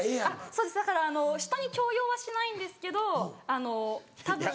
そうですだから人に強要はしないんですけどあの。